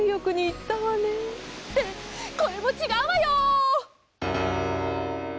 ってこれもちがうわよ！